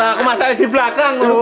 aku masalahnya di belakang lo